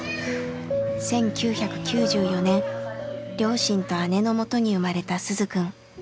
１９９４年両親と姉のもとに生まれた鈴くん。